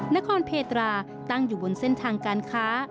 นครเพตราตั้งอยู่บนเส้นทางการค้า